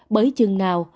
bởi chừng nào